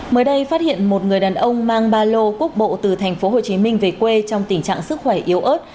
mới đây phát hiện một người đàn ông mang ba lô quốc bộ từ thành phố hồ chí minh về quê trong tình trạng sức khỏe yếu ớt